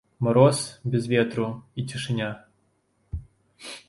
Мароз без ветру, і цішыня.